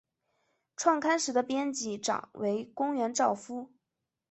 创刊时的编辑长为宫原照夫。